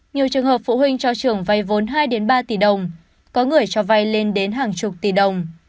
nhiều trường hợp phụ huynh cho trường vay vốn hai ba tỷ đồng có người cho vay lên đến hàng chục tỷ đồng